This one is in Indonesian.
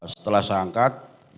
setelah saya angkat